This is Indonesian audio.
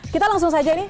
kita langsung saja ini